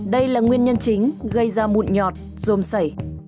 đây là nguyên nhân chính gây ra mụn nhọt rôm sảy